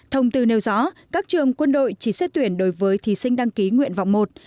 thông tư nêu rõ các trường quân đội chỉ xét tuyển đối với thí sinh đăng ký nguyện vọng một